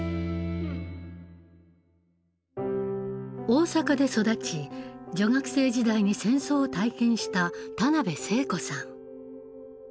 大阪で育ち女学生時代に戦争を体験した田辺聖子さん。